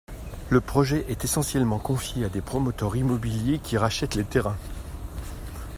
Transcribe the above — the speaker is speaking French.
Le projet est essentiellement confié à des promoteurs immobiliers qui rachètent les terrains.